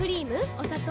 お砂糖？